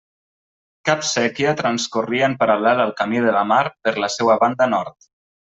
Cap séquia transcorria en paral·lel al camí de la Mar per la seua banda nord.